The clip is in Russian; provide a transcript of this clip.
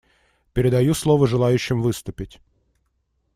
Передаю слово желающим выступить.